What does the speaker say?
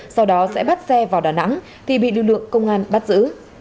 sau đó sẽ bắt xe vào đà nẵng thì bị lực lượng công an bắt giữ